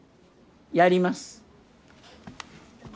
やります。